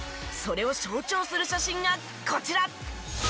それを象徴する写真がこちら。